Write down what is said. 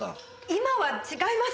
今は違います！